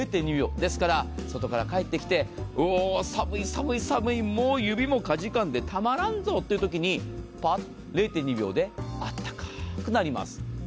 ですから、外から帰ってきて、おお、寒い、寒い、寒い、もう指もかじかんでたまらんぞというときに、０．２秒であったかくなります。